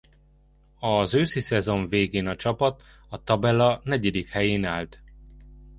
Az őszi szezon végén a csapat a tabella negyedik helyén állt.